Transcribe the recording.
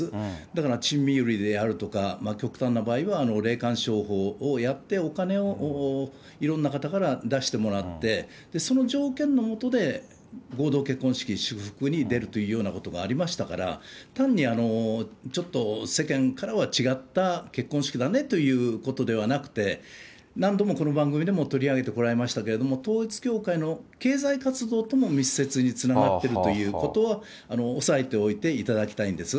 だからであるとか、極端な場合は霊感商法をやってお金をいろんな方から出してもらって、その条件の下で合同結婚式、祝福に出るというようなことがありましたから、単にちょっと、世間からは違った結婚式だねということではなくて、何度もこの番組でも取り上げてこられましたけれども、統一教会の経済活動とも密接につながっているということは、押さえておいていただきたいんです。